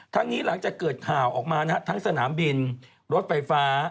นี้หลังจากเกิดข่าวออกมานะฮะทั้งสนามบินรถไฟฟ้า